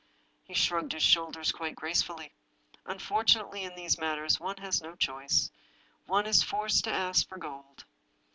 He shrugged his shoulders quite gracefully. " Unfortunately, in these matters one has no choice— one is forced to ask for gold."